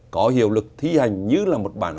có hiệu lực thi hành như là một bản